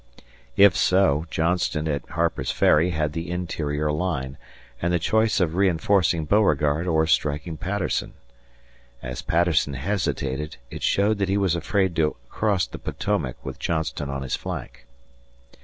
If so, Johnston at Harper's Ferry had the interior line and the choice of reinforcing Beauregard or striking Patterson. As Patterson hesitated, it showed that he was afraid to cross the Potomac with Johnston on his flank.